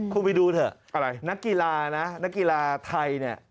คุณไปดูเถอะนักกีฬานะนักกีฬาไทย